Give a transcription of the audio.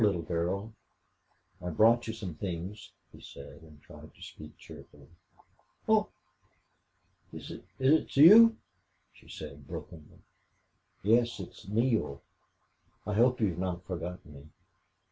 little girl, I've brought you some things," he said, and tried to speak cheerfully. "Oh is it you?" she said, brokenly. "Yes, it's Neale. I hope you've not forgotten me."